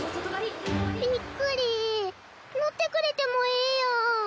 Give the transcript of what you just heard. びっくりのってくれてもええやん